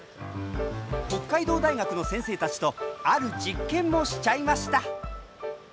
北海道大学の先生たちとある実験もしちゃいました。